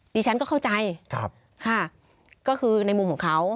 ดิฉันก็เข้าใจค่ะก็คือในมุมของเขา